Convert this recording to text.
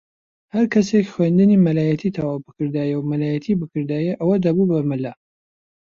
ھەر کەسێک خوێندنی مەلایەتی تەواو بکردایە و مەلایەتی بکردایە ئەوە دەبوو بە مەلا